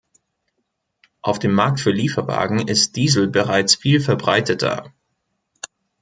Auf dem Markt für Lieferwagen ist Diesel bereits viel verbreiteter.